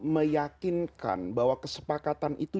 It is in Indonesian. meyakinkan bahwa kesepakatan itu